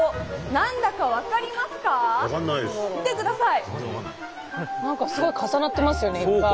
何かすごい重なってますよねいっぱい。